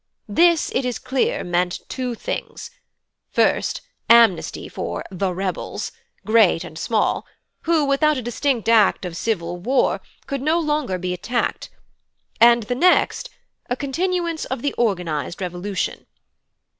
This it is clear meant two things: first, amnesty for 'the rebels,' great and small, who, without a distinct act of civil war, could no longer be attacked; and next, a continuance of the organised revolution.